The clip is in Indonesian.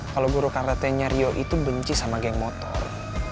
kalau guru karate nya rio itu benci sama geng motor